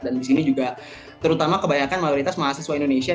dan di sini juga terutama kebanyakan mayoritas mahasiswa indonesia